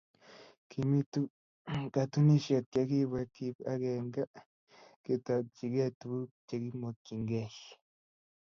Kimiitu katunisiet ye kibwaa kip agenge ketokchigeei tuguk che kimokchinigeei